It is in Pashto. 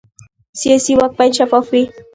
سیاسي واک باید شفاف وي